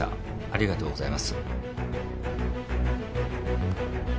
ありがとうございます。